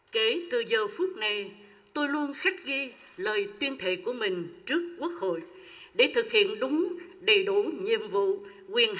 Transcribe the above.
kể từ giờ phút này tôi luôn khách ghi lời tuyên thệ của mình trước quốc hội để thực hiện đúng đầy đủ nhiệm vụ